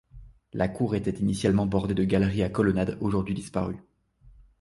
La cour était initialement bordée de galeries à colonnades aujourd'hui disparues.